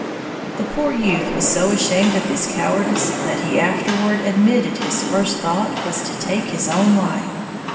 The poor youth was so ashamed of his cowardice that he afterward admitted his first thought was to take his own life.